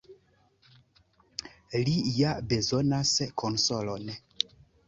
Li ja bezonas konsolon.